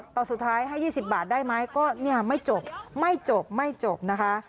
ตอนสุดท้ายให้๒๐บาทได้ไหมก็เนี่ยไม่จบไม่จบไม่จบนะคะ